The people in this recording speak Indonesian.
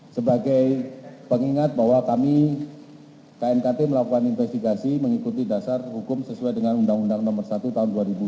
sebagai pengingat bahwa kami knkt melakukan investigasi mengikuti dasar hukum sesuai dengan undang undang nomor satu tahun dua ribu dua